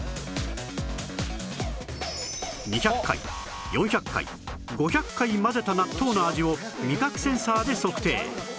さらに２００回４００回５００回混ぜた納豆の味を味覚センサーで測定